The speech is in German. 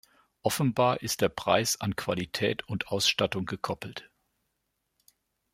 Offenbar ist der Preis an Qualität und Ausstattung gekoppelt.